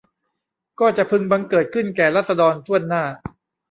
ก็จะพึงบังเกิดขึ้นแก่ราษฎรถ้วนหน้า